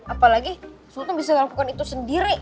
apalagi sultan bisa melakukan itu sendiri